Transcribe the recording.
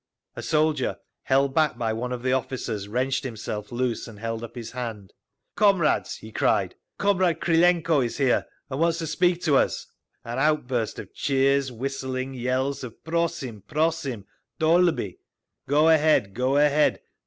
A soldier, held back by one of the officers, wrenched himself loose and held up his hand. "Comrades!" he cried, "Comrade Krylenko is here and wants to speak to us." An outburst of cheers, whistlings, yells of "Prosim! Prosim! Dolby! Go ahead! Go ahead!